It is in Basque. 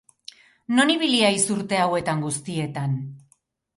Non ibili haiz urte hauetan guztietan.